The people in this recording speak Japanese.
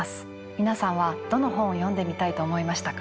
皆さんはどの本を読んでみたいと思いましたか？